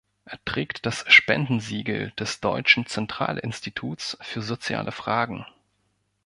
Er trägt das Spenden-Siegel des Deutschen Zentralinstituts für soziale Fragen.